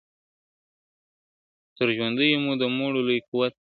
تر ژوندیو مو د مړو لوی قوت دی !.